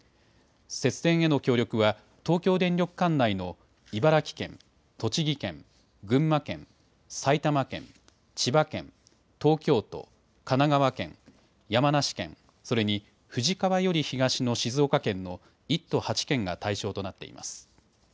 節電への協力は東京電力管内の茨城県、栃木県、群馬県、埼玉県、千葉県、東京都、神奈川県、山梨県それに、富士川より東の静岡県の１都８県が対象となっています。